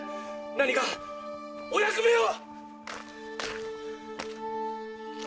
何かお役目を！